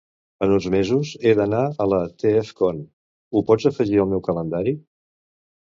En uns mesos haig d'anar a la TFcon, ho pots afegir al meu calendari?